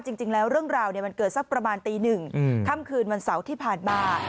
จริงแล้วเรื่องราวมันเกิดสักประมาณตีหนึ่งค่ำคืนวันเสาร์ที่ผ่านมา